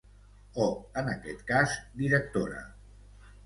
O en aquest cas, directora.